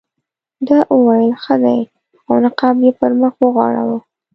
ده وویل ښه دی او نقاب یې پر مخ وغوړاوه.